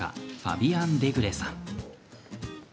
ファビアン・デグレさん。